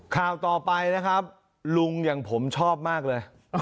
ข่าวต่อไปนะครับลุงอย่างผมชอบมากเลย